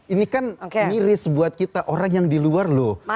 ini kan miris buat kita orang yang di luar loh